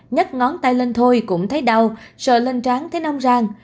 nhất ngón tay lên thôi cũng thấy đau sợ lên tráng thấy nong rang